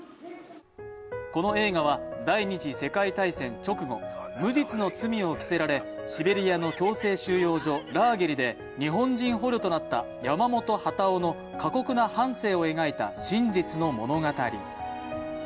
この映画は第二次世界大戦直後無実の罪を着せられシベリアの強制収容所、ラーゲリで日本人捕虜となった山本幡男の過酷な半生を描いた真実の物語。